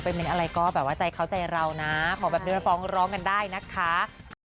เน้นอะไรก็แบบว่าใจเขาใจเรานะขอแบบนี้ฟ้องร้องกันได้นะคะ